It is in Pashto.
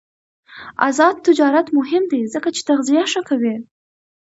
آزاد تجارت مهم دی ځکه چې تغذیه ښه کوي.